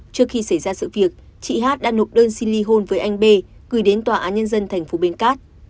trước khi xảy ra sự việc chị hát đã nộp đơn xin ly hôn với anh b gửi đến tòa án nhân dân thành phố bến cát